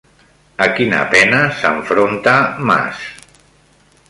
A quina pena s'enfronta Mas?